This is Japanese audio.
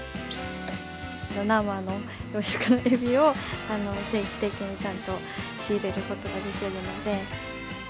生の養殖のエビを、定期的にちゃんと仕入れることができるので。